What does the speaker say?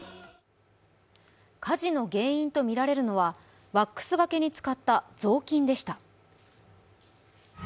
火事の原因とみられるのはワックスがけに使った雑巾でした。